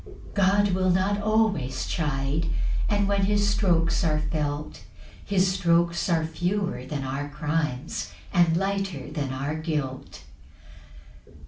2 God will not always chide; And when his strokes are felt, His strokes are fewer than our crimes, And lighter than our guilt.